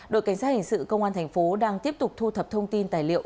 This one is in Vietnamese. đội cảnh sát hình sự công an thành phố đang tiếp tục thu thập thông tin tài liệu